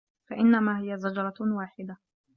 فَإِنَّما هِيَ زَجرَةٌ واحِدَةٌ